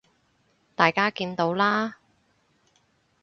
大家見到啦